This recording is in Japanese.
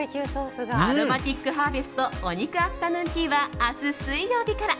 アロマティック・ハーベストお肉アフタヌーンは明日水曜日から。